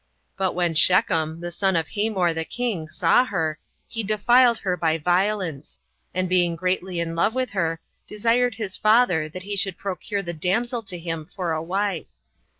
But when Shechem, the son of Hamor the king, saw her, he defiled her by violence; and being greatly in love with her, desired of his father that he would procure the damsel to him for a wife.